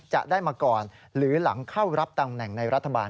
จะได้มาก่อนหรือหลังเข้ารับตำแหน่งในรัฐบาล